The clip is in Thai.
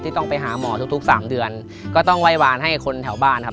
ต้องไปหาหมอทุกทุกสามเดือนก็ต้องไหว้วานให้คนแถวบ้านครับ